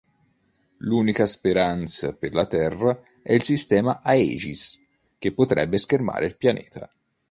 L'unica speranza per la Terra è il "sistema Aegis", che potrebbe schermare il pianeta.